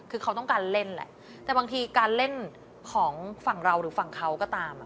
คือเขาต้องการเล่นแหละแต่บางทีการเล่นของฝั่งเราหรือฝั่งเขาก็ตาม